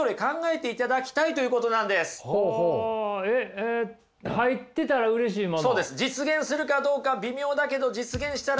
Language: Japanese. えっ入ってたらうれしいもの。